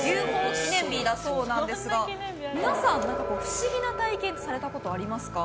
記念日だそうなんですが皆さん、何か不思議な体験ってされたことありますか？